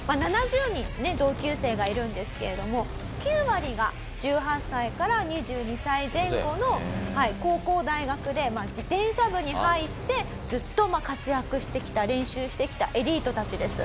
７０人同級生がいるんですけれども９割が１８歳から２２歳前後の高校大学で自転車部に入ってずっと活躍してきた練習してきたエリートたちです。